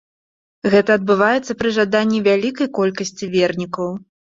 Гэта адбываецца пры жаданні вялікай колькасці вернікаў.